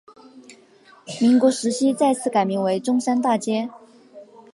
民国时期再次改名为中山大街。